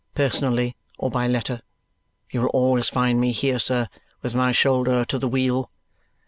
Personally, or by letter, you will always find me here, sir, with my shoulder to the wheel."